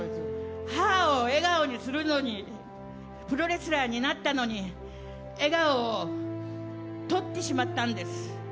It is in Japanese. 母を笑顔にするのにプロレスラーになったのに笑顔を取ってしまったんです。